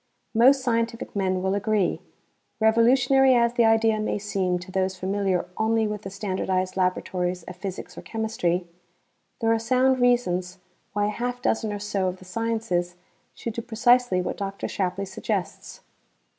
Most scientific men will agree. Revolutionary as the idea may seem to those familiar only with the standardized laboratories of physics or chemistry, there are sound reasons why a half dozen or so of the sciences should do precisely what Dr. Shapley suggests.